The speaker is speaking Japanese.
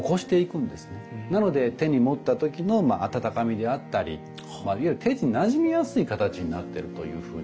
なので手に持った時の温かみであったりいわゆる手になじみやすい形になってるというふうに。